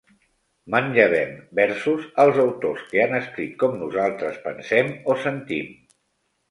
Manllevem versos als autors que han escrit com nosaltres pensem o sentim.